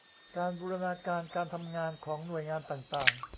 การบูรณาการการทำงานของหน่วยงานต่างต่าง